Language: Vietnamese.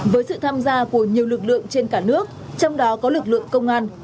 với sự tham gia của nhiều lực lượng trên cả nước trong đó có lực lượng công an